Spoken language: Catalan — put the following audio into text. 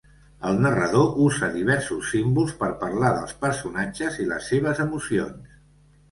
El narrador usa diversos símbols per parlar dels personatges i les seves emocions.